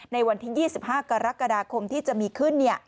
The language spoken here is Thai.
ในวันที่๒๕กรกฎาคมที่จะมีขึ้น